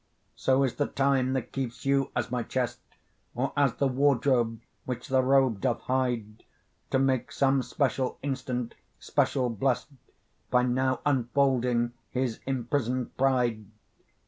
So is the time that keeps you as my chest, Or as the wardrobe which the robe doth hide, To make some special instant special blest, By new unfolding his imprison'd pride.